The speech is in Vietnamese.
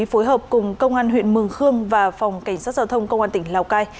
phối hợp cùng công an huyện mường khương và phòng cảnh sát giao thông công an tỉnh lào cai